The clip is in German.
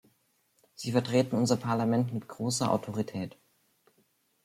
Sie vertreten unser Parlament mit großer Autorität.